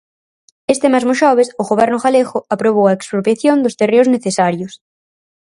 Este mesmo xoves o Goberno galego aprobou a expropiación dos terreos necesarios.